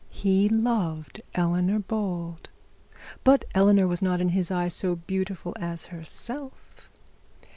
He loved Eleanor Bold, but Eleanor was not in his eyes so beautiful as herself.